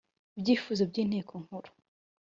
ibyifuzo by Inteko Nkuru